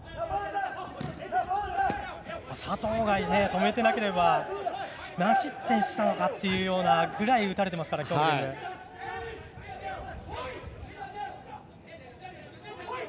佐藤が止めてなければ何失点していたのかというくらい打たれていますから、今日は。